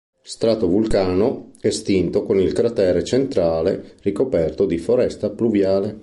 Stratovulcano estinto con il cratere centrale ricoperto di foresta pluviale.